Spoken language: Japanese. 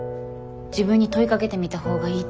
自分に問いかけてみたほうがいいと思う。